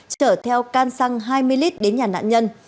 chở theo can xăng hai mươi lit đến nhà nạn nhân